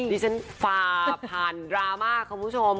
ดิฉันฝ่าผ่านดราม่าคุณผู้ชม